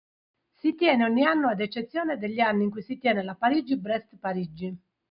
Si tiene ogni anno, ad eccezione degli anni in cui si tiene la Parigi–Brest–Parigi.